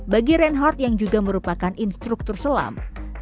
bagi reinhardt yang juga merupakan instruktur selam